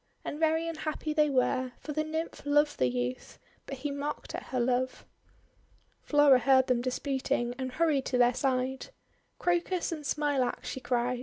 And very unhappy they were, for the Nymph loved the youth, but he mocked at her love. Flora heard them disputing and hurried to their side. 'Crocus and Smilax!' she cried.